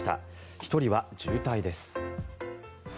１人は重体です。